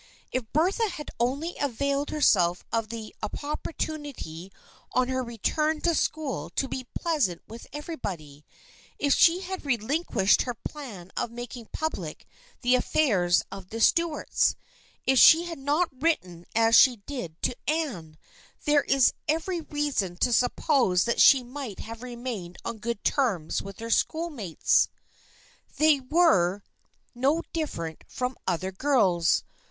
If Bertha had only availed herself of the op portunity on her return to school to be pleasant with everybody, if she had relinquished her plan of making public the affairs of the Stuarts, if she had not written as she did to Anne, there is every reason to suppose that she might have remained on good terms with her schoolmates. They were no different from other girls.